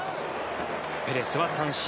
ペレスは三振。